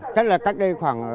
chắc là cách đây khoảng